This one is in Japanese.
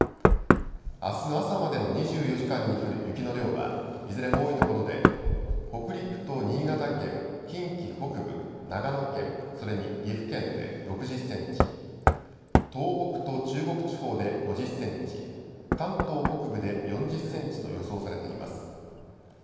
あす朝までの２４時間に降る雪の量はいずれも多いところで北陸と新潟県、近畿北部、長野県、それに岐阜県で６０センチ、東北と中国地方で５０センチ、関東北部で４０センチと予想されています。